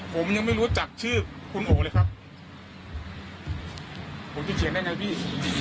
ผมยังไม่รู้จักชื่อคุณโอเลยครับผมจะเขียนได้ไงพี่